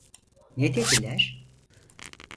Ne dediler?